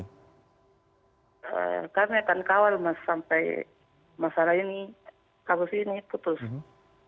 karena kan kawal mas sampai masalah ini kabus ini putus